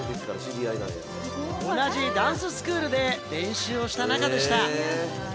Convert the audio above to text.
同じダンススクールで練習をした中でした。